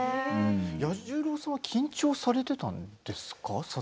彌十郎さんは緊張をされていたんですか。